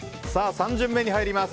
３巡目に入ります。